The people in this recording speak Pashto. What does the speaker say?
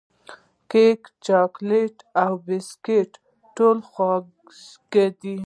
کیک، چاکلېټ او بسکوټ ټول خوږې دي.